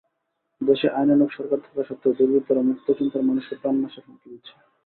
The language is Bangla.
দেশে আইনানুগ সরকার থাকা সত্ত্বেও দুর্বৃত্তরা মুক্তচিন্তার মানুষকে প্রাণনাশের হুমকি দিচ্ছে।